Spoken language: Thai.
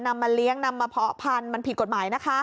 มาเลี้ยงนำมาเพาะพันธุ์มันผิดกฎหมายนะคะ